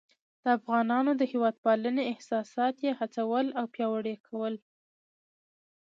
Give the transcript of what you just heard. د افغانانو د هیواد پالنې احساسات یې هڅول او پیاوړي یې کول.